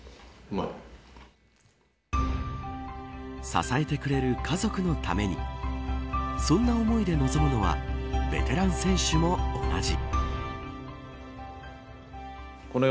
支えてくれる家族のためにそんな思いで臨むのはベテラン選手も同じ。